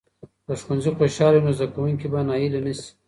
که ښوونځي خوشاله وي، نو زده کوونکي به ناهیلي نه شي.